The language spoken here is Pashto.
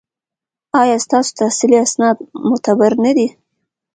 ایا ستاسو تحصیلي اسناد معتبر نه دي؟